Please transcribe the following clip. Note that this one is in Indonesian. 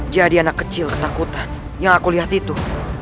jadi anak kecil ketakutan yang aku lihat itu